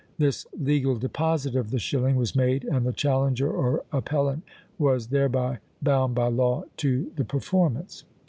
This legal deposit of the shilling was made, and the challenger, or appellant, was thereby bound by law to the performance.